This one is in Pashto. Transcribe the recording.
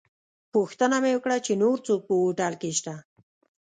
پوښتنه مې وکړه چې نور څوک په هوټل کې شته.